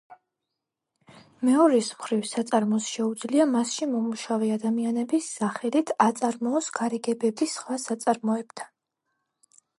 მეორეს მხრივ საწარმოს შეუძლია მასში მომუშავე ადამიანების სახელით აწარმოოს გარიგებები სხვა საწარმოებთან.